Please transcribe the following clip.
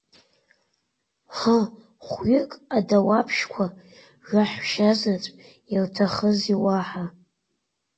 Ҳы, хәҩык адауаԥшьқәа раҳәшьазаҵә илҭахызи уаҳа…